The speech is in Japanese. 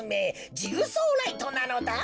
ジグソーライトなのだ。